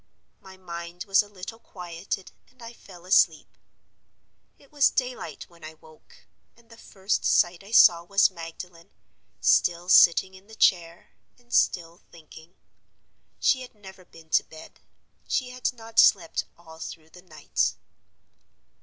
My mind was a little quieted and I fell asleep. It was daylight when I woke—and the first sight I saw was Magdalen, still sitting in the chair, and still thinking. She had never been to bed; she had not slept all through the night.